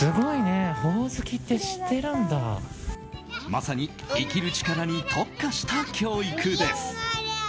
まさに生きる力に特化した教育です。